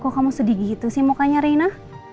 kok kamu sedih gitu sih mukanya rina